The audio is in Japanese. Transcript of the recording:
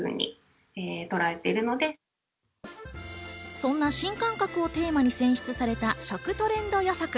そんな新感覚をテーマに選出された食トレンド予測。